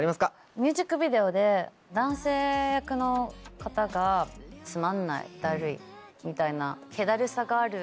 ミュージックビデオで男性役の方が「つまんないだるい」みたいな。